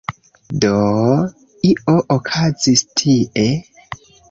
Do… io okazis tie.